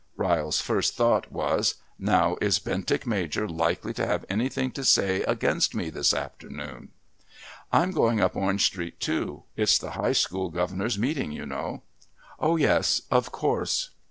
Ryle's first thought was "Now is Bentinck Major likely to have anything to say against me this afternoon?" "I'm going up Orange Street too. It's the High School Governors' meeting, you know." "Oh, yes, of course."